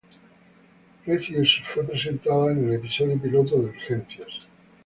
Precious fue presentada en el episodio piloto de "Urgencias".